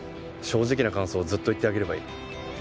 正直な感想をずっと言ってあげればいい。